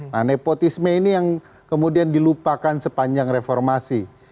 nah nepotisme ini yang kemudian dilupakan sepanjang reformasi